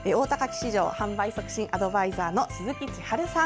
市場販売促進アドバイザー鈴木千春さん。